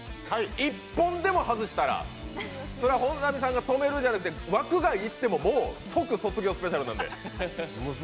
１本でも外したらそれは本並さんが止めるんじゃなくて、枠外に行っても即卒業スペシャルなんで。